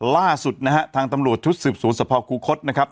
ล่าสุดนะครับทางตำรวจทุกษ์สืบศูนย์สภาวคุ้คตนะครับ